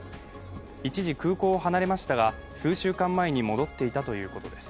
一時、空港を離れましたが、数週間前に戻っていたということです。